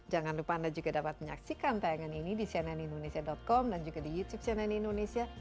jangan lupa anda juga dapat menyaksikan tayangan ini di cnnindonesia com dan juga di youtube cnn indonesia